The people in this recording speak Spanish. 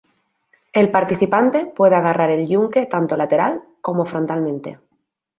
El participante puede agarrar el yunque tanto lateral como frontalmente.